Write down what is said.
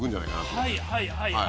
はいはいはいはい。